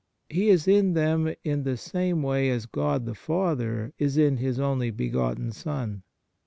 He is in them in the same way as God the Father is in His only begotten Son.